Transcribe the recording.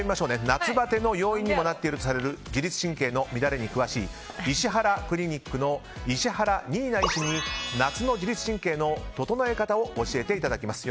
夏バテの要因にもなっているとされる自律神経の乱れに詳しいイシハラクリニックの石原新菜医師に夏の自律神経の整え方を教えていただきます。